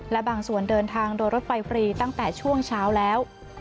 และบางส่วนเดินทางโดยรถไฟฟรีตั้งแต่ช่วงเช้าแล้ว